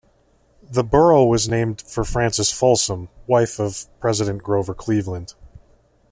The borough was named for Frances Folsom, wife of President Grover Cleveland.